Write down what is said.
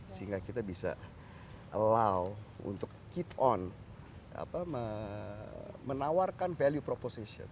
sehingga kita bisa allow untuk keep on menawarkan value proposition